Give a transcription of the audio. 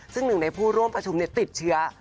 ซึ่งหนึ่งในผู้ร่วมประชุมติดเชื้อ